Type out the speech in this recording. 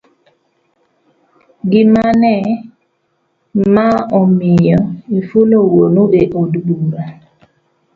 gimane ma omiyo ifulo wuonu e od bura.